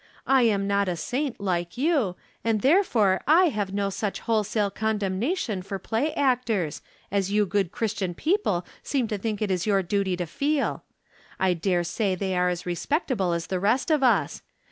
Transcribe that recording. I am not a saint, like you, and therefore I have no such wholesale condemnation for play actors, as you good Christian people seem to think it is your duty to feel. I dare say they are as respectable as the rest of us.